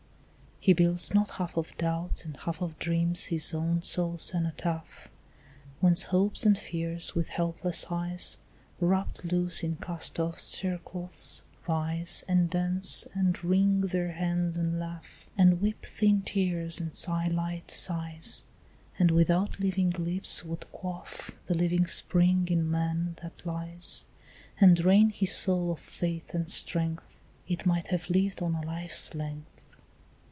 He builds not half of doubts and half Of dreams his own soul's cenotaph, Whence hopes and fears with helpless eyes, Wrapt loose in cast off cerecloths, rise And dance and wring their hands and laugh, And weep thin tears and sigh light sighs, And without living lips would quaff The living spring in man that lies, And drain his soul of faith and strength It might have lived on a life's length.